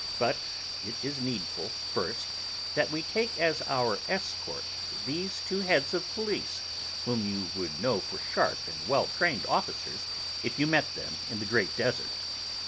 But it is needful, first, that we take as our escort these two heads of the police, whom you would know for sharp and well trained officers if you met them in the Great Desert.